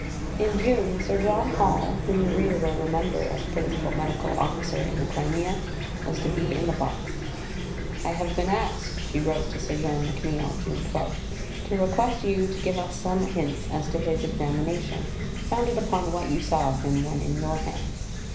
In June, Sir John Hall, whom the reader will remember as Principal Medical Officer in the Crimea, was to be in the box. "I have been asked," she wrote to Sir John McNeill (June 12), "to request you to give us some hints as to his examination, founded upon what you saw of him when in your hands.